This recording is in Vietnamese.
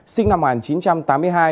sinh năm một nghìn chín trăm tám mươi hai